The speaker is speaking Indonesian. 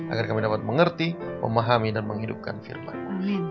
agar kami dapat mengerti memahami dan menghidupkan firman